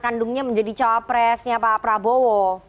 kandungnya menjadi cawapresnya pak prabowo